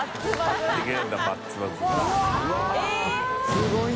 すごい！